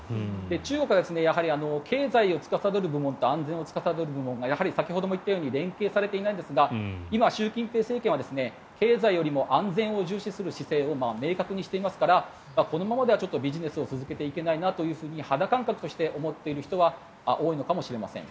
中国が経済をつかさどる部門と安全とつかさどる部門がやはり先ほども言ったように連携されていないんですが今、習近平政権は経済よりも安全を重視する姿勢を明確にしていますからこのままではビジネスを続けていけないなと肌感覚として思っている人は多いかもしれません。